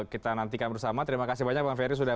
kita nantikan bersama terima kasih banyak bang ferry sudah